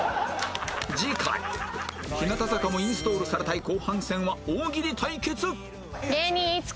次回日向坂もインストールされたい後半戦は大喜利対決